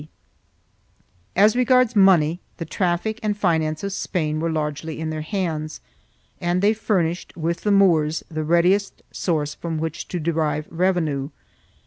4 As regards money, the traffic and finance of Spain were largely in their hands, and they furnished, with the Moors, the readiest source from which to derive revenue.